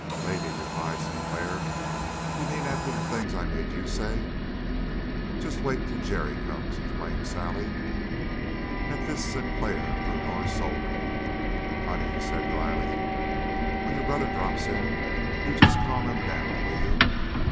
"Lady," replied Sinclair, "you mean after the things I made you say." "Just wait till Jerry comes," exclaimed Sally. At this Sinclair grew more sober. "Honey," he said dryly, "when your brother drops in, you just calm him down, will you?